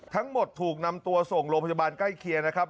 ทั้งหมดถูกนำตัวส่งโรงพยาบาลใกล้เคียงนะครับ